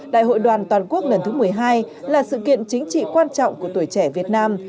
đại hội đoàn toàn quốc lần thứ một mươi hai là sự kiện chính trị quan trọng của tuổi trẻ việt nam